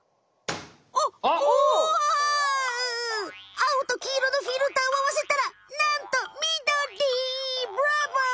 あおときいろのフィルターをあわせたらなんとみどりブラボー！